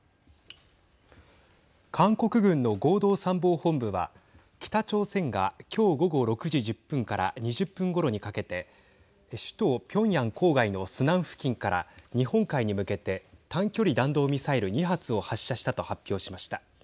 韓国軍の合同参謀本部は北朝鮮が今日午後６時１０分から２０分ごろにかけて首都ピョンヤン郊外のスナン付近から日本海に向けて短距離弾道ミサイル２発を発射したと発表しました。